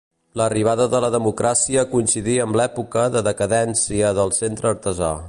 L'arribada de la democràcia coincidí amb l'època de decadència del Centre Artesà.